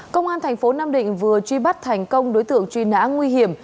công an thành phố nam định vừa truy bắt thành công đối tượng truy nã nguy hiểm